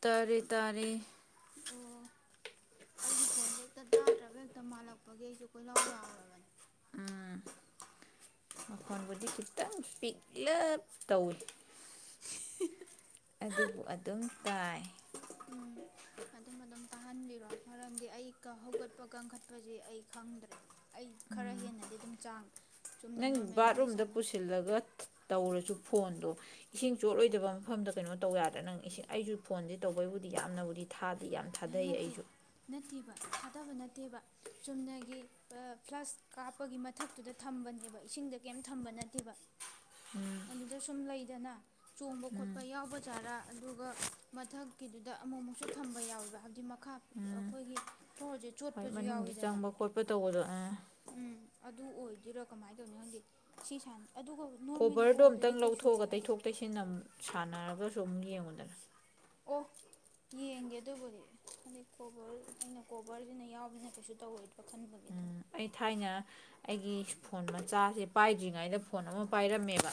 ꯇꯥꯔꯦ ꯇꯥꯔꯦ ꯑꯣ ꯑꯣ ꯑꯩꯒꯤ ꯄꯣꯟꯖꯦ ꯍꯦꯛꯇ ꯇꯥꯗ꯭ꯔꯕ ꯍꯦꯛꯇ ꯃꯥꯜꯂꯛꯄꯒꯤ ꯑꯩꯖꯦ ꯀꯣꯢꯂꯥꯎ ꯂꯥꯎꯔꯨꯔꯕꯅꯤ ꯎꯝ ꯃꯈꯣꯟꯕꯨꯗꯤ ꯈꯤꯇꯪꯡ ꯄꯤꯛꯂꯞ ꯇꯧꯢ ꯑꯗꯨꯕꯨ ꯑꯗꯨꯝ ꯇꯥꯢ ꯎꯝ ꯑꯗꯨ ꯃꯅꯝ ꯇꯥꯍꯟꯕꯤꯕ ꯃꯔꯥꯝꯗꯤ ꯑꯩ [unintelligible] ꯍꯧꯒꯠꯄ ꯀꯪꯈꯠꯄꯁꯤ ꯑꯩ ꯈꯥꯪꯗꯔꯦ ꯎꯝ ꯆꯨꯝꯅ ꯅꯣꯔꯃꯦꯜ ꯋꯥꯔꯤ ꯁꯥꯟꯅ ꯇꯧꯔ꯭ꯁꯨ ꯐꯣꯅꯗꯨ ꯑꯦꯁꯤꯡ ꯆꯣꯠꯂꯣꯏꯗꯕ ꯃꯐꯝꯗ ꯀꯩꯅꯣꯇꯧ ꯌꯥꯗꯔꯥ ꯑꯩꯁꯨ ꯐꯣꯟꯁꯦ ꯇꯧꯕꯩꯕꯨꯗꯤ ꯌꯥꯝꯅꯕꯨꯗꯤ ꯊꯥ ꯅꯥꯇꯦ ꯅꯥꯇꯦꯕ ꯊꯗꯕ ꯅ ꯇꯦꯕ ꯆꯨꯝꯅꯒꯤ ꯀꯂ꯭ꯥꯁ ꯀꯞꯒꯤ ꯃꯇꯥꯛꯇꯨꯗ ꯊꯝꯕꯅꯦꯕ ꯑꯦꯁꯤꯪꯗꯤ ꯀꯩꯝ ꯊꯝꯕ ꯅꯥꯇꯦꯕ ꯑꯗꯨꯗ ꯁꯨꯝ ꯂꯩꯗꯅ ꯆꯣꯝꯕ ꯈꯣꯠꯄ ꯌꯥꯑꯣꯟꯖꯠꯂꯥ ꯃꯊꯛꯏꯗꯨꯗ ꯑꯃꯥ ꯃꯨꯛꯁꯨ ꯊꯝꯕ ꯌꯥꯑꯣꯏ ꯍꯥꯏꯗꯤ ꯃꯈꯥ ꯑꯈꯣꯏꯒꯤ ꯐꯂꫭꯔꯁꯦ ꯆꯣꯠꯈꯤꯕ ꯎꯝ ꯆꯪꯕ ꯈꯣꯠꯄ ꯇꯧꯕꯥꯗꯨ ꯎ ꯎꯝ ꯑꯗꯨ ꯑꯣꯏꯗꯣꯏꯔꯥ ꯀꯃꯥꯏ ꯇꯧꯔꯤꯅꯣ ꯈꯪꯗꯦ ꯁꯤ ꯑꯗꯨꯒ ꯅꯣꯔꯃꯦꯜ ꯀꯟꯦꯔꯗꯨ ꯀꯣꯜꯗꯨꯗꯤ ꯑꯃꯌ꯭ꯥ ꯀꯩꯁꯨꯗꯤ ꯂꯧꯊꯣꯀꯥꯒꯥ ꯍꯥꯏꯗꯦ ꯇꯩꯊꯣꯛ ꯇꯩꯁꯤꯟ ꯗꯨꯝ ꯌꯦꯡꯎꯗꯅꯥ ꯐ ꯌꯦꯪꯏ ꯑꯦꯗꯨꯕꯨꯗꯤ [unintelligible] ꯀꯣꯕꯦꯔ ꯀꯣꯕꯦꯔꯁꯤꯟ ꯌꯥꯑꯣꯅꯤꯟ ꯀꯔꯤꯁꯨ ꯇꯧꯔꯣꯏ ꯎ ꯑꯩ ꯊꯥꯏꯟ ꯑꯩꯒꯤ ꯐꯣꯟ ꯃꯆꯥꯁꯦ ꯄꯥꯏꯗꯔ꯭ꯤꯉꯗ ꯗꯣꯟ ꯑꯃ ꯄꯥꯏꯔꯃꯦꯕ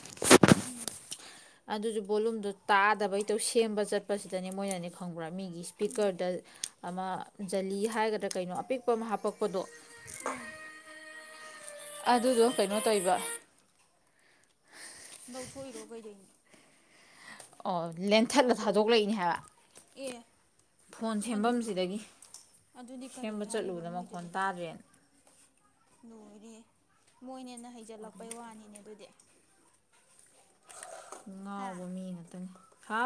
ꯎ ꯑꯗꯨꯁꯨ ꯕꯣꯂꯨꯝꯗꯨ ꯇꯥꯗꯕꯩꯇꯨ ꯁꯦꯝꯕ ꯆꯠꯄꯁꯤꯗꯅꯦ ꯃꫭꯏꯅ ꯅꫠꯡ ꯄꯨꯔꯥ ꯃꯤꯒꯤ ꯎꯝ ꯑꯦꯁꯄ꯭ꯤꯀꯥꯔꯗ ꯑꯃ ꯖꯥꯂꯤ ꯍꯥꯏꯒꯔꯥ ꯀꯩꯅꯣ ꯑꯄꯤꯛꯄ ꯑꯃ ꯍꯞꯀꯞꯗꯣ [inaudible] ꯎꯝ ꯑꯗꯨꯏꯗꯣ ꯀꯩꯅꯣ ꯇꯧꯔꯤꯕ ꯂꯧꯊꫭꯛꯏꯔꯣ ꯀꯩꯗꯧꯔꯤꯅꯣ ꯎ ꯂꯦꯟꯊꯠꯂ ꯊꯗꯣꯛꯂꯛꯏꯅꯦ ꯍꯥꯏꯕ ꯑꯦ ꯒꯣꯜ ꯑꯗꯨ ꯁꯦꯝꯕꯥꯝꯁꯤꯗꯒꯤ ꯑꯗꯨꯗꯤ ꯀꯔꯤ ꯁꯑꯝꯕ ꯍꯥꯏꯔꯤꯕ ꯆꯠꯂꯨꯕꯗ ꯃꯈꯣꯟ ꯃꯣꯏꯗꯨꯗꯤ ꯇꯥꯗꯔꯦꯗꯥꯟ ꯂꯣꯏꯔꯦ ꯅꯣꯏꯟ ꯅꯥ ꯍꯩꯖꯤꯜꯀꯄꯩ ꯋꯥꯅꯤꯅꯦ ꯑꯗꯨꯗꯤ ꯉꯥꯑꯕ ꯃꯤ ꯉꯛꯠꯅꯤ ꯍꯥ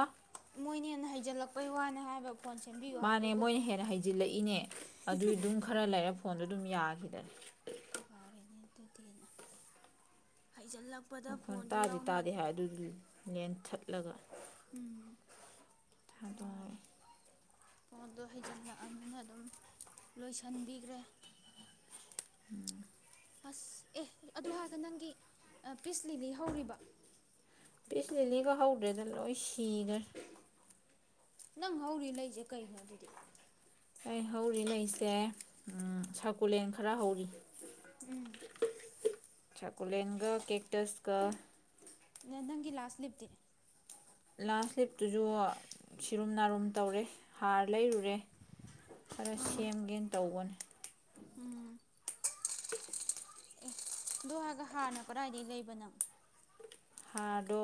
ꯃꯨꯜ ꯍꯦꯜ ꯍꯩꯖꯤꯂꯛꯄꯩ ꯋ꯭ꯅꯤꯅꯦ ꯍꯥꯌꯕ ꯒꯣꯜ ꯁꯦꯝꯕꯤꯎ ꯃꯥꯅꯦ ꯍꯥꯏꯕꯨ ꯃꯣꯏꯅ ꯍꯦꯟꯅ ꯇꯣꯟꯗꯨ ꯗꯨꯃ ꯌꯥꯒꯔ꯭ꯤꯗꯦ [inaudible] ꯃꯈꯣꯜ ꯐꯣꯟꯁꯨ ꯇꯥꯗꯦ ꯌꯥꯎꯅ ꯇꯥꯗꯦ ꯍꯥꯏ ꯑꯗꯨꯏ ꯂꯦꯟ ꯊꯠꯂꯒ [inaudible] ꯊꯗꯣꯏ ꯃꯥꯗꫭ ꯍꯩꯖꯤꯜꯂꯛꯑꯕꯅꯤꯅ ꯑꯗꯨꯝ ꯂꯣꯏꯖꯤꯟꯕꯤꯒꯔ꯭ꯦ [inaudible] ꯑꯁ ꯑꯦ ꯑꯗꯨ ꯍꯥꯏꯒ ꯅꯡꯗꯤ ꯑ ꯄꯤꯁꯂꯤ ꯂꯩꯍꯧꯔꯤꯕ ꯄꯤꯁ ꯂꯤꯂꯤꯒ ꯍꯧꯗ꯭ꯔꯦꯗ ꯂꯣꯏ ꯁꯤꯒ꯭ꯔꯦ ꯅꯪ ꯍꯧꯔꯤ ꯂꯩꯁꯦ ꯀꯩꯅꯣ ꯑꯗꯨꯗꯤ ꯑꯩ ꯍꯧꯔꯤ ꯂꯩꯁꯦ ꯑ ꯁꯛꯀꯨꯂꯦꯟꯠ ꯈꯔ ꯍꯧꯔꯤ ꯎꯝ ꯁꯛꯀꯨꯂꯦꯟꯠꯒ ꯀꯦꯛꯇꯁꯀ ꯅꯪꯒꯤ ꯂꯥꯁꯠ ꯂꯤꯞꯇꯤ ꯂꯥꯁ ꯂꯤꯐ ꯇꯨꯁꯨ ꯁꯤꯔꯨꯝ ꯅꯥꯔꯨꯝ ꯇꯧꯔꯦ ꯍꯥꯔ ꯂꯩꯌꯨꯔꯦ ꯈꯔ ꯎꯝ ꯁꯦꯝꯒꯦꯅ ꯇꯧꯕꯅꯦ ꯎꯝ ꯑꯦ ꯍꯥꯔꯅ ꯀꯗꯥꯏꯗꯩ ꯂꯩꯕ ꯅꯪ ꯍꯥꯔꯗꯣ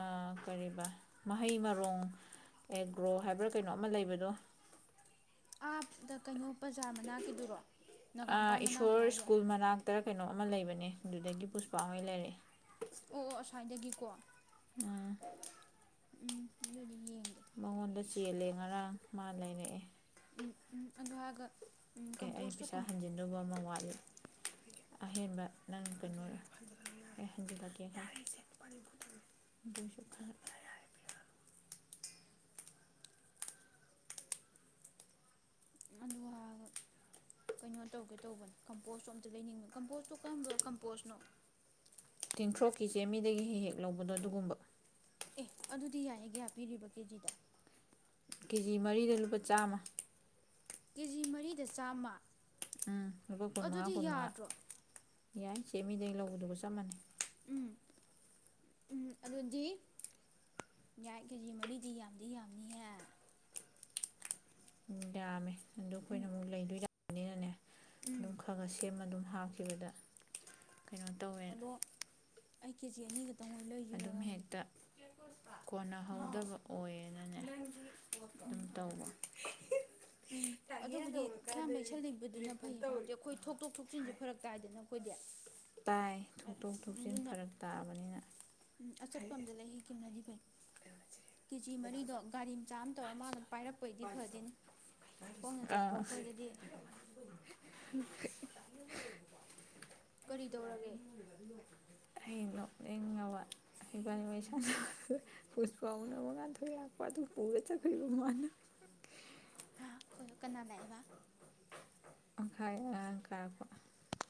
ꯑ ꯀꯔꯤꯕ ꯃꯍꯩ ꯃꯔꯣꯡ ꯑꯦꯒ꯭ꯔꯣ ꯍꯥꯏꯕ꯭ꯔ ꯀꯩꯅꯣ ꯑꯃ ꯂꯩꯕꯗꯣ ꯑ ꯗ ꯀꯩꯅꯣ ꯕꯓꯥꯔ ꯃꯅꯥꯛꯀꯤꯗꯨꯔꯣ ꯅꯒꯥꯝꯄꯥꯜ ꯃꯅꯥꯛꯀꯤ ꯇꯔ ꯀꯩꯅꯣ ꯑꯃ ꯂꯩꯕꯅꯦ ꯑꯗꯨꯗꯒꯤ ꯄꯨꯁꯄꯥ ꯍꯣꯏ ꯂꯩꯔꯦ ꯑꯣ ꯑꯁ꯭ꯋꯥꯏꯗꯒꯤ ꯀꯣ ꯎꯝ [unintelligible] ꯃꯉꯣꯟꯗ ꯆꯦꯜꯂꯦ ꯉꯔꯥꯡ ꯃꯥ ꯂꯩꯔꯦ ꯑꯗꯨ ꯍꯥꯏꯔꯒ ꯑꯦ ꯑꯩ ꯄꯩꯁꯥ ꯀꯝꯄꯣꯁꯇꯣ ꯍꯟꯖꯤꯟꯗꯧꯕ ꯑꯃ ꯋꯥꯠ ꯑꯍꯦꯟꯕ ꯅꯪ ꯀꯩꯅꯣ ꯑꯩ ꯍꯟꯖꯤꯜꯂꯛꯀꯦ ꯅꯪ ꯑꯗꯨ ꯍꯥꯏꯔꯒ ꯀꯩꯅꯣ ꯇꯧꯒꯦ ꯇꯧꯕꯅꯦ ꯀꯝꯄꯣꯁꯠ ꯑꯝꯇ ꯂꯩꯅꯤꯡꯕꯅꯦ ꯝꯄꯣꯁꯠꯇꯣ ꯀꯔꯝꯕ ꯀꯞꯄꯣꯁꯠꯅꯣ ꯇꯤꯟꯊ꯭ꯔꯣꯛꯀꯤ ꯆ‌ꯦꯃꯤꯗꯒꯤ ꯍꯦꯛ ꯍꯦꯛ ꯂꯧꯕꯗꯣ ꯑꯗꯨꯒꯨꯝꯕ ꯑꯦ ꯑꯗꯨꯗꯤ ꯌꯥꯏꯍꯦ ꯀꯌꯥ ꯄꯤꯔꯤꯕ ꯀꯦꯖꯤꯗ ꯀꯦꯖꯤ ꯃꯔꯤꯗ ꯂꯨꯄꯥ ꯆꯥꯃ ꯀꯦꯖꯤ ꯃꯔꯤꯗ ꯆꯥꯃ ꯎꯝ ꯂꯨꯄꯥ ꯀꯨꯟ ꯃꯉꯥ ꯀꯨꯟ ꯃꯉꯥ ꯌꯥꯏ ꯁꯦꯃꯤꯗꯩ ꯂꯧꯕꯗꯨꯒ ꯆꯞ ꯃꯥꯅꯩ ꯎꯝ ꯎꯝ ꯑꯗꯨꯗꯤ ꯌꯥꯏ ꯀꯦꯖꯤ ꯃꯔꯤꯗꯤ ꯌꯥꯝꯗꯤ ꯌꯥꯝꯅꯤꯍꯦ ꯌꯥꯝꯃꯦ ꯑꯗꯣ ꯎꯝ ꯑꯩꯈꯣꯏꯅ ꯑꯃꯨꯛ ꯂꯩꯗꯣꯏꯔꯥ [unintelligible] ꯎꯝ ꯑꯗꯨꯝ ꯈꯔ ꯈꯔ ꯁꯦꯝꯃ ꯑꯗꯨꯝ ꯍꯥꯞꯈꯤꯕꯗ ꯀꯩꯅꯣ ꯇꯧꯋꯦꯅ ꯑꯗꯣ ꯑꯩ ꯀꯦꯖꯤ ꯑꯅꯤ ꯂꯩꯖꯤꯔ ꯑꯗꯨꯝ ꯈꯪꯗꯦ ꯍꯦꯛꯇ ꯎꯝ ꯀꯣꯟꯅꯍꯧꯗꯕ ꯑꯣꯏꯌꯦ ꯑꯗꯨꯝ ꯇꯧꯕ ꯎꯝ ꯑꯗꯨꯕꯨꯗꯤ ꯈꯔ ꯌꯥꯝ ꯂꯩꯁꯤꯜꯂꯤꯕꯗꯨꯅ ꯐꯩꯌꯦꯕ ꯍꯥꯏꯗꯤ ꯑꯩꯈꯣꯏ ꯊꯣꯛꯇꯣꯛ ꯊꯣꯛꯆꯤꯟ ꯐꯔꯛ ꯇꯥꯏꯌꯦꯕ [unintelligible] ꯇꯥꯏ ꯊꯣꯛꯇꯣꯛ ꯊꯣꯀꯆꯤꯟ ꯐꯔꯛ ꯇꯕꯅꯤꯅ [unintelligible] ꯑꯆꯥꯠꯄꯥꯃꯗ ꯂꯩꯍꯤꯀꯤꯝ [inaudible] ꯀꯦꯖꯤ ꯃꯔꯤꯗꯣ ꯒꯔꯤ ꯃꯆꯥ ꯑꯃ ꯇꯧꯔꯥ ꯃꯥꯅ ꯄꯥꯏꯔꯛꯄ ꯑꯣꯏꯗꯤ ꯐꯗꯤꯅꯤ꯫ꯈꯣꯡꯅ ꯆꯠꯄ ꯑꯥ ꯑꯩꯈꯣꯏꯗꯗꯤ [inaudible] ꯀꯔꯤꯇꯧꯔꯒꯦ [inaudible] ꯉꯟꯊꯣꯏ ꯂꯥꯛꯄ ꯑꯗꯨ ꯄꯨꯔꯥ ꯆꯠꯈꯔ꯭ꯤꯕ ꯃꯥꯅꯥ ꯍꯥ ꯀꯅꯥ ꯂꯥꯛꯑꯦꯕꯥ [inaudible]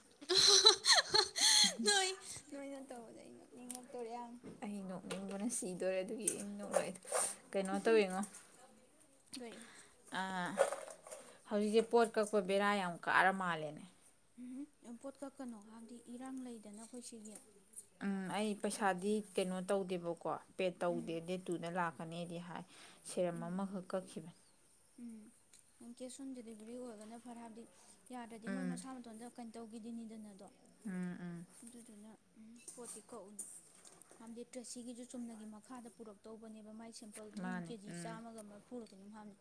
[inaudible] ꯍꯥ ꯍꯥ ꯅꯣꯏ ꯅꯤꯉꯛ ꯑꯩ ꯅꯣꯛꯅꯤꯡꯕꯅ ꯁꯤ ꯗꯣꯔꯦ ꯑꯗꯨꯒꯤ ꯑꯗꯨꯝ ꯅꯣꯛ ꯂꯩ ꯀꯩꯅꯣ ꯇꯧꯏꯉꯣ ꯀꯩ ꯑꯥ ꯍꯧꯖꯤꯛꯁꯦ ꯄꯣꯠ ꯀꯛꯄ ꯕꯦꯔꯥ ꯌꯥꯝ ꯀꯔꯥ ꯃꯥꯜꯂꯦꯅꯦ ꯎꯝꯈꯨꯝ ꯄꯣꯠ ꯀꯛꯀꯅꯣ ꯍꯥꯢꯗꯤ ꯏꯔꯥꯡ ꯂꯩꯗꯅ ꯑꯩꯈꯣꯏ ꯁꯤꯒꯤ ꯎꯝ ꯑꯩ ꯑꯗꯨꯅ ꯄꯩꯁꯥꯗꯤ ꯀꯩꯅꯣ ꯇꯧꯗꯦꯕꯥ ꯀꯣ ꯄꯦꯗ ꯎꯝ ꯇꯧꯗꯦ ꯗꯦꯗ ꯇꯨꯅꯥ ꯂꯥꯛ ꯀꯅꯤꯗꯤ ꯍꯥꯏ ꯁꯤꯔꯝ ꯎꯝ ꯑꯃꯥꯈꯛ ꯀꯛꯈꯤꯕꯅꯦ ꯎꯝ ꯀꯦꯁ ꯑꯣꯟ ꯗꯤꯂꯤꯕꯔꯤ ꯑꯣꯢꯔꯒꯅꯥ ꯐꯩ꯫ꯍꯥꯏꯕꯗꯤ ꯃꯣꯏ ꯎꯝ ꯃꯁꯥ ꯃꯊꯟꯇꯥ ꯀꯩꯅꯣ ꯇꯧꯒꯤꯗꯤꯅꯤꯗꯅꯥ ꯑꯗꯣ ꯎꯝ ꯎꯝ ꯑꯗꯨꯗꯨꯅ ꯎꯝ ꯄꯣꯠꯇꯤ ꯀꯛꯎꯅꯨ ꯍꯥꯏꯗꯤ ꯇꯔ꯭ꯁꯤꯡ ꯁꯤꯖꯨ ꯆꯨꯝꯅꯒꯤ ꯃꯈꯥꯗ ꯄꯨꯔꯛꯇꯧꯕꯅꯦꯕꯥ ꯃꯥꯏꯁꯦ ꯑꯦꯄꯜ ꯗꯨꯅꯥ ꯑꯃꯨꯛ ꯃꯥꯅꯦ ꯀꯦ ꯖꯤ ꯎꯝ ꯆꯥꯃꯥ ꯒꯥ ꯃꯔꯐꯨ ꯔꯥ ꯀꯩꯅꯣꯝ ꯍꯥꯏꯕꯅꯦ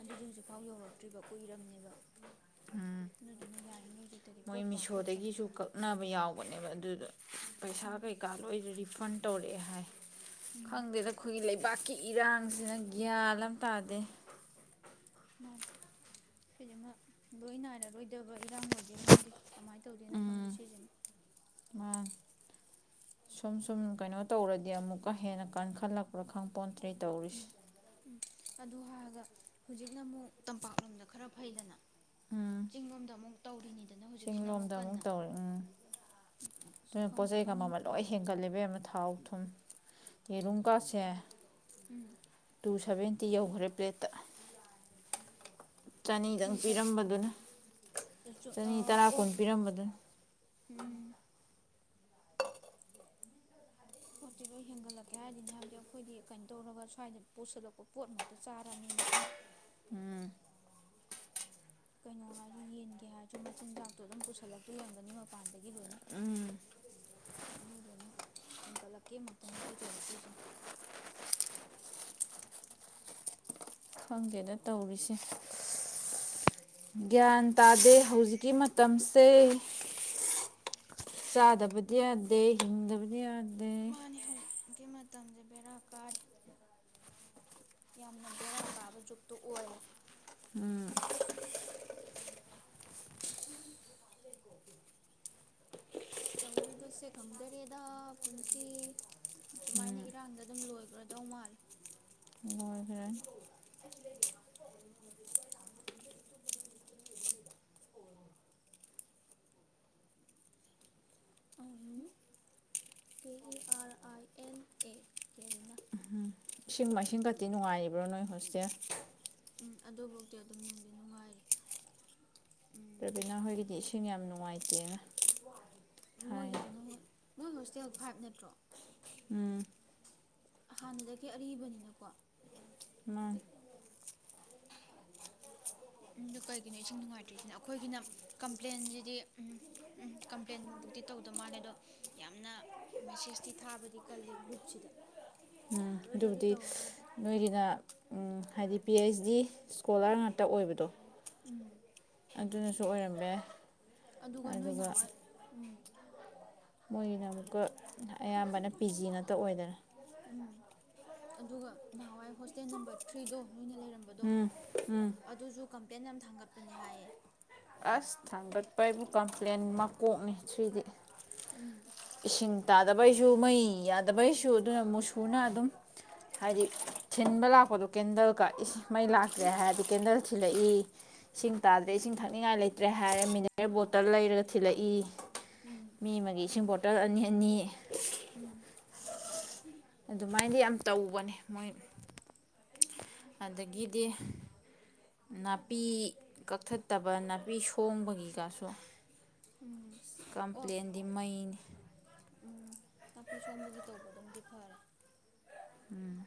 ꯑꯗꯨꯁꯨ ꯍꯧꯖꯤꯛꯐꯥꯎ ꯌꯥꯎꯔꯛꯇꯔꯤꯕꯥ ꯀꯨꯏꯔꯕꯅꯦꯕꯥ ꯑꯗꯨꯗꯨꯅ ꯍꯧꯖꯤꯛꯇꯗꯤ ꯃꯣꯏ ꯄꯣꯠ ꯄꯥꯛ ꯀꯛꯀꯅꯨ ꯃꯤꯁꯣꯗꯒꯤꯁꯨ ꯀꯛꯅꯕ ꯌꯥꯎꯕꯅꯦꯕ ꯑꯗꯨꯗ ꯄꯩꯁꯥ ꯎꯝ ꯀꯩꯀꯥ ꯂꯣꯏ ꯔꯤꯐꯟ ꯇꯧꯔꯛꯑꯦ ꯍꯥꯏ ꯎꯝ ꯈꯪꯗꯦꯗꯥ ꯈꯣꯏꯒꯤ ꯂꯩꯕꯥꯛ ꯏꯔꯥꯡꯁꯤꯅꯥ ꯒꯌ꯭ꯥꯟꯑꯝ ꯇꯥꯗꯦ ꯃꯥꯅꯦ ꯁꯤꯖꯤꯃꯥ ꯂꯣꯏ ꯅꯥꯏꯔꯔꯣꯏꯗꯕꯥ ꯏꯔꯥꯡ ꯑꯣꯏꯗꯣꯏꯔꯥ ꯈꯪꯗꯦ ꯀꯃꯥꯏ ꯇꯧꯗꯨꯏꯅꯣ ꯈꯪꯗꯦ ꯎꯝ ꯁꯤꯖꯤꯃꯥ ꯃꯥꯅꯤ ꯁꯨꯝ ꯁꯨꯝ ꯀꯩꯅꯣ ꯇꯧꯔꯗꯤ ꯑꯃꯨꯛꯀꯥ ꯍꯦꯟꯅꯥ ꯀꯟꯈꯠꯂꯛꯄ꯭ꯔꯥ ꯈꯪꯄꯣꯟꯇꯦ꯫ ꯇꯧꯔꯤꯁꯦ ꯑꯗꯨ ꯍꯥꯏꯔꯒ ꯍꯧꯖꯤꯛꯅꯃꯨꯛ ꯇꯝꯄꯥꯛꯂꯣꯝꯗ ꯈꯔ ꯐꯩꯗꯅ ꯎꯝ ꯆꯤꯡꯂꯣꯝꯗ ꯑꯃꯨꯛ ꯇꯧꯔꯤꯅꯤ ꯆꯤꯡꯂꯣꯝꯗ ꯑꯃꯨꯛ ꯇꯧꯔꯦ ꯎꯝ ꯑꯁ ꯑꯗꯨꯅ ꯄꯣꯠ ꯈꯪꯗꯦ ꯆꯩꯒꯥ ꯃꯃꯜ ꯂꯣꯢ ꯃꯅꯤꯡꯄꯥꯡ ꯍꯦꯟꯒꯠꯂꯦ ꯏꯕꯦꯝꯃ ꯊꯥꯎ ꯊꯨꯝ ꯌꯦꯔꯨꯝꯀꯥꯁꯦ ꯎꯝ ꯁꯕꯦꯟꯇꯤ ꯌꯧꯒꯔ꯭ꯦ ꯄꯂ꯭ꯦꯠꯇ ꯇꯨ ꯆꯅꯤꯗꯪ ꯁꯚꯦꯟ ꯄꯤꯔꯝꯕꯗꯨꯅ ꯆꯅꯤ ꯇꯔꯥ ꯑꯣ ꯀꯨꯟ ꯄꯤꯔꯝꯄꯗꯨꯅ ꯎꯝ ꯄꯣꯠꯇꯤ ꯂꯣꯏ ꯍꯦꯟꯒꯠꯂꯛꯀꯦ ꯍꯥꯏꯕꯗꯤꯅꯤ ꯑꯩꯈꯣꯏꯗꯤ ꯀꯩꯅꯣꯇꯧꯔꯒ ꯁꯋꯥꯏꯗ ꯄꯨꯁꯜꯂꯛꯄ ꯄꯣꯠ ꯃꯛꯇꯥ ꯆꯥꯔꯕꯅꯤꯅ ꯀꯩꯅꯣ ꯍꯥꯏꯁꯨ ꯌꯦꯟꯒꯤ ꯍꯥꯏꯁꯨ ꯃꯆꯤꯟꯖꯥꯛꯇꯣ ꯑꯗꯨꯝ ꯄꯨꯁꯜꯂꯛꯇꯣꯏ ꯑꯣꯏꯔꯝꯒꯅꯤ ꯃꯄꯥꯟꯗꯒꯤ ꯂꯣꯏꯅ ꯑꯗꯨꯗꯨꯅ ꯍꯦꯟꯒꯠꯂꯛꯀꯦ ꯃꯛꯇꯅꯤ ꯑꯩꯈꯣꯏ ꯇꯧꯔꯛꯇꯨꯏꯁꯤꯅ ꯈꯪꯗꯦꯗ ꯇꯧꯔꯤꯁꯦ ꯒꯌ꯭ꯥꯟ ꯇꯥꯗꯦ ꯍꯧꯖꯤꯛꯀꯤ ꯃꯇꯝꯁꯦ ꯆꯗꯕꯗꯤ ꯌꯥꯗꯦ ꯍꯤꯡꯗꯕꯗꯤ ꯌꯥꯗꯦ ꯃꯥꯅꯦ ꯍꯧꯖꯤꯛꯀꯤ ꯃꯇꯝꯁꯦ ꯕꯦꯔꯥ ꯀꯔꯤ ꯌꯥꯝꯅ ꯕꯦꯔꯥ ꯀꯥꯕꯥ ꯖꯨꯛꯇꯣ ꯑꯣꯏꯔꯦ ꯇꯧꯔꯤꯕꯁꯦ ꯈꯪꯗꯔꯦꯗꯥ ꯄꯨꯟꯁꯤ ꯁꯨꯃꯥꯏꯅ ꯏꯔꯥꯡꯗ ꯑꯗꯨꯝ ꯂꯣꯏꯒꯔꯗꯧ ꯃꯥꯜꯂꯦ ꯂꯣꯏꯈ꯭ꯔꯅꯤ ꯎꯝ K E R I N A ꯀꯦꯔꯤꯅꯥ ꯏꯁꯤꯡ ꯃꯥꯏꯁꯤꯡꯒꯗꯤ ꯅꯨꯉꯥꯏꯔꯤꯕꯔꯣ ꯅꯣꯏ ꯍꯣꯁꯇꯦꯜ ꯑꯗꯨꯕꯨꯛꯇꯤ ꯑꯗꯨꯝ ꯅꯨꯡꯗꯤ ꯅꯨꯡꯉꯥꯏꯔꯤ ꯎꯝ ꯔꯕꯤꯅꯥ ꯍꯣꯏꯒꯤꯗꯤ ꯏꯁꯤꯡ ꯌꯥꯝ ꯅꯨꯡꯉꯥꯏꯇꯦꯅ ꯍꯥꯏ ꯃꯣꯏꯒꯤꯗꯨꯅ ꯃꯨꯛ ꯃꯣꯏ ꯍꯣꯁꯇꯦꯜ ꯇꯦꯜ ꯐꯥꯏꯚ ꯅꯠꯇꯔꯣ ꯎꯝ ꯍꯟꯅꯗꯒꯤ ꯑꯔꯤꯕꯅꯤꯅꯀꯣ ꯃꯥꯅꯤ ꯑꯗꯣ ꯀꯩꯒꯤꯅꯣ ꯏꯁꯤꯡ ꯅꯨꯡꯉꯥꯏꯇꯔꯤꯁꯤꯅ ꯑꯩꯈꯣꯏꯒꯤꯅ ꯀꯝꯄꯂꯥꯏꯟꯖꯤꯗꯤ ꯀꯝꯄꯂ꯭ꯥꯏꯟ ꯕꯨꯛ ꯇꯤ ꯇꯧꯗ ꯃꯥꯜꯂꯦ ꯑꯗꯣ ꯌꯥꯝꯅ ꯃꯤꯁꯦꯖ ꯇꯤ ꯊꯕꯥꯗꯤ ꯀꯜꯂꯦ ꯒꯨꯔꯨꯞ ꯁꯤ ꯗ ꯑꯗꯨꯕꯨꯗꯤ ꯅꯣꯏꯒꯤꯅꯥ ꯎꯝ ꯍꯥꯏꯗꯤ ꯄꯤ ꯍꯥꯏꯁ ꯗꯤ ꯏꯁꯀꯣꯂꯔ ꯉꯥꯛꯇꯥ ꯑꯣꯏꯕꯗꯣ ꯎꯝ ꯑꯗꯤꯅꯁꯨ ꯑꯣꯏꯔꯝꯕ ꯌꯥꯏ ꯑꯗꯨꯒ ꯅꯣꯏ ꯅꯍꯥꯟꯋꯥꯏ ꯎꯝ ꯃꯣꯏꯒꯤꯅ ꯑꯃꯨꯛꯀꯥ ꯑꯌꯥꯝꯕꯅ ꯄꯤ ꯖꯤ ꯉꯥꯛꯇꯥ ꯑꯣꯏꯗꯅ ꯎꯝ ꯑꯗꯨꯒ ꯅꯍꯥꯟꯋꯥꯏ ꯍꯣꯁꯇꯦꯜ ꯅꯝꯕꯔ ꯊꯔ꯭ꯤ ꯗꯣ ꯅꯣꯏꯅ ꯂꯩꯔꯝꯕꯗꯣ ꯎꯝ ꯑꯗꯨꯁꯨ ꯀꯝꯄꯂꯥꯏꯟ ꯌꯥꯝ ꯊꯟꯒꯠꯄꯅꯤ ꯍꯥꯏꯌꯦ ꯎꯁ ꯊꯥꯡꯒꯠꯄ ꯍꯥꯏꯕꯨ ꯀꯝꯄꯂꯥꯏꯅ ꯃꯀꯣꯛꯅꯤ ꯊꯔ꯭ꯤ ꯗꯤ ꯎꯝ ꯏꯁꯤꯡ ꯇꯥꯗꯕꯩꯁꯨ ꯃꯩ ꯌꯥꯗꯕꯩꯁꯨ ꯑꯗꯨꯅ ꯃꯨꯁꯨ ꯅꯥ ꯑꯗꯨꯝ ꯊꯤꯟꯕ ꯂꯛꯄꯗꯣ ꯀꯟꯗꯜꯀ ꯃꯩ ꯂꯛꯇꯔ꯭ꯦ ꯎꯝ ꯍꯥꯏꯔꯗꯤ ꯀꯦꯟꯗꯜ ꯊꯤꯜꯂꯛꯏ ꯏꯁꯤꯡ ꯇꯥꯗꯔꯦ ꯏꯁꯤꯡ ꯊꯛꯅꯤꯡꯉꯥꯏ ꯂꯩꯇꯔꯦ ꯍꯥꯏꯔꯥ ꯃꯤꯅꯔꯦꯜ ꯕꯣꯇꯜ ꯂꯩꯔꯥ ꯊꯤꯂꯛ ꯏ ꯎꯝ ꯃꯤ ꯑꯃꯒꯤ ꯏꯁꯤꯡ [unintelligible] [unintelligible] ꯑꯅꯤ ꯑꯅꯤ ꯎꯝ꯫ ꯑꯗꯨꯃꯥꯏꯅꯗꯤ ꯌꯥꯝ ꯇꯧꯕꯅꯦ ꯃꯣꯏ ꯑꯗꯒꯤꯗꯤ ꯅꯥꯄꯤ ꯀꯛꯊꯠꯇꯕ ꯅꯥꯄꯤ ꯁꯣꯡꯕꯒꯤ ꯀꯥꯏꯁꯨ꯫ ꯎꯝ ꯑꯣ ꯀꯝꯄ꯭ꯂꯦꯟꯗꯤ ꯃꯩꯅꯤ꯫ ꯎꯝ ꯅꯥꯄꯤ ꯁꯣꯡꯕꯒꯤ ꯇꯧꯕꯅꯗꯤ ꯐꯥꯔꯦ꯫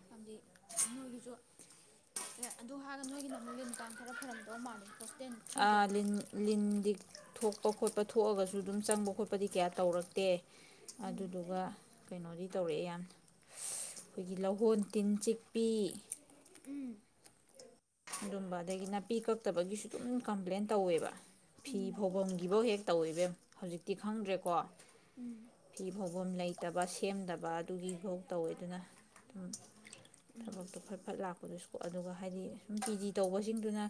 ꯍꯥꯏꯕꯗꯤ ꯅꯣꯏꯒꯤꯖꯨ ꯑꯦ ꯑꯗꯨ ꯍꯥꯏꯔꯒ ꯅꯣꯏꯒꯤꯅꯃꯨꯛ ꯂꯤꯟ ꯀꯥꯡ ꯈꯔ ꯐꯔꯝꯗꯧ ꯃꯥꯜꯂꯤ꯫ ꯍꯣꯁꯇꯦꯜ ꯊ꯭ꯔꯤꯗꯣ ꯑꯥ ꯂꯤꯟ ꯂꯤꯟ [unintelligible] ꯊꯣꯛꯄ ꯈꯣꯠꯄ ꯊꯣꯛꯑꯒꯁꯨ ꯗꯨꯝ ꯆꯪꯕ ꯈꯣ ꯗꯨꯗꯤ ꯀꯌꯥ ꯇꯧꯔꯛꯇꯦ ꯎꯝ ꯑꯗꯨꯗꯨꯒ ꯀꯩꯅꯣꯗꯤ ꯇꯧꯔꯛꯑꯦ ꯌꯥꯝ ꯑꯈꯣꯏꯒꯤ ꯂꯧꯍꯣꯟ ꯇꯤꯟ ꯆꯤꯛꯄꯤ ꯎꯝ꯫ ꯑꯗꯨꯝꯕ ꯑꯗꯒꯤ ꯅꯥꯄꯤ ꯀꯛꯇꯕꯒꯤꯁꯨ ꯑꯗꯨꯝ ꯀꯝꯄ꯭ꯂꯦꯟ ꯇꯧꯑꯦꯕ꯫ ꯐꯤ ꯎꯝ ꯐꯧꯕꯝꯒꯤꯕꯧ ꯍꯦꯛ ꯇꯧ ꯢꯕꯦꯝ ꯍꯧꯖꯤꯛꯇꯤ ꯈꯪꯗ꯭ꯔꯦꯀꯣ꯫ ꯎꯝ ꯐꯤ ꯐꯧ ꯂꯩꯇꯕ ꯁꯦꯝꯗꯕ ꯑꯗꯨꯒꯤ [unintelligible] ꯇꯧꯋꯦꯗꯅ ꯑꯗꯨꯝ꯫ ꯎꯝ ꯊꯕꯛꯇꯣ ꯐꯠ ꯐꯠ ꯂꯥꯛ ꯑꯗꯨꯁꯨ ꯑꯗꯨꯒ ꯍꯥꯏꯗꯤ ꯅꯨꯡꯇꯤꯒꯤ ꯇꯧꯕꯁꯤꯡꯗꯨꯅ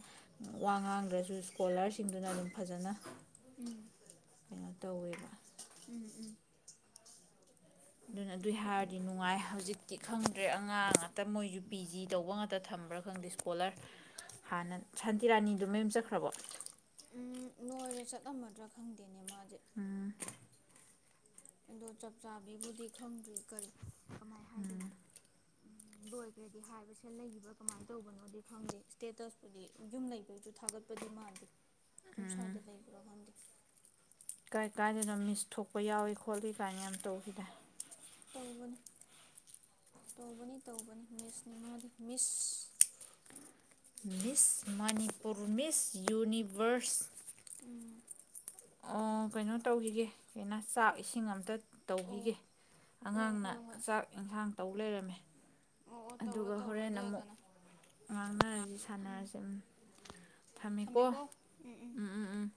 ꯋꯥ ꯉꯥꯡꯗ꯭ꯔꯥꯁꯨ ꯢꯁꯀꯣꯂꯔꯁꯤꯡꯗꯨꯅ ꯑꯗꯨꯝ ꯐꯖꯅ ꯎꯝ꯫ ꯀꯩꯅꯣ ꯇꯧꯔꯦꯕ꯫ ꯎꯝ ꯎꯝ ꯫ ꯑꯗꯨꯅꯦ ꯑꯗꯨꯏ ꯍꯥꯏꯔꯗꯤ ꯅꯨꯡꯉꯥꯏ ꯍꯧꯖꯤꯛ꯫ ꯍꯧꯖꯤꯛꯇꯤ ꯈꯪꯗ꯭ꯔꯦ ꯑꯉꯥꯡ ꯉꯥꯛꯇ ꯃꯣꯏꯖꯨ ꯄꯤ ꯖꯤ ꯇꯧꯕ ꯉꯥꯛꯇ ꯊꯝꯕ꯭ꯔꯥ ꯈꯪꯗ꯭ꯔꯦ ꯏꯁꯀꯣꯂꯔ ꯍꯥꯟꯅ ꯁꯥꯟꯇꯤꯔꯥꯅꯤꯗꯣ ꯃꯌꯨꯝꯗ ꯆꯠꯈ꯭ꯔꯥꯕꯣ ꯎꯝ ꯂꯣꯏꯔꯦ ꯆꯠꯂꯝꯃꯗ꯭ꯔꯥ ꯈꯪꯗꯦ꯫ ꯎꯝ꯫ ꯑꯗꯨ ꯆꯞ ꯆꯥꯕꯤꯕꯨꯗꯤ ꯈꯪꯗ꯭ꯔꯤ ꯀꯔꯤ ꯎꯝ ꯫ ꯂꯣꯏꯒ꯭ꯔꯦꯗꯤ ꯍꯥꯏꯕ ꯁꯤꯗ ꯂꯩꯔꯤꯕ ꯀꯃꯥꯏ ꯇꯧꯕꯅꯣ ꯈꯪꯗꯦ ꯢꯁꯇꯦꯇꯁꯕꯨꯗꯤ ꯌꯨꯝ ꯂꯩꯕꯩ ꯊꯥꯒꯠꯄ ꯃꯥꯟꯗꯦ꯫ ꯗꯨꯝ ꯁ꯭ꯋꯥꯏꯗ ꯂꯩ꯭ꯔꯥ ꯈꯪꯗꯦ꯫ ꯀꯥꯏ ꯀꯥꯏꯗꯅꯣ ꯃꯤꯁ ꯊꯣꯛꯄ ꯌꯥꯎꯏ ꯈꯣꯠꯂꯤ ꯀꯥꯏꯅ ꯌꯥꯝ ꯇꯧꯈꯤꯗꯥꯏ꯫ ꯇꯧꯕꯅꯦ ꯇꯧꯕꯅꯦ ꯇꯧꯕꯅꯦ ꯃꯤꯁꯅꯦ ꯃꯥꯗꯤ ꯃꯤꯁ ꯫ ꯃꯤꯁ ꯃꯅꯤꯄꯨꯔ ꯃꯤꯁ ꯌꯨꯅꯤꯚ꯭ꯔꯁ꯫ ꯎꯝ ꯑꯥ ꯀꯩꯅꯣ ꯇꯧꯈꯤꯒꯦ [unintelligible] ꯆꯥꯛ ꯏꯁꯤꯡ ꯑꯝꯇ꯫ ꯑꯣ ꯇꯧꯒꯤꯒꯦ ꯑꯣ ꯑꯉꯥꯡꯅ ꯍꯣꯏ ꯍꯣꯏ ꯆꯥꯛ ꯏꯟꯖꯥꯡ ꯇꯧ ꯂꯩꯔꯝꯃꯦ ꯑꯣ ꯑꯣ ꯇꯧꯔꯣ ꯑꯗꯨꯒ ꯇꯧꯔꯣ ꯍꯣꯔꯦꯟ ꯑꯗꯨ ꯑꯃꯨꯛ ꯑꯣꯏꯔꯒꯅ ꯉꯥꯡꯅꯔꯁꯤ ꯎꯝ ꯁꯥꯅꯔꯁꯤ ꯊꯝꯃꯦꯀꯣ ꯎꯝ ꯎꯝ ꯫